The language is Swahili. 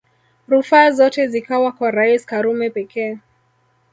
Rufaa zote zikawa kwa Rais Karume pekee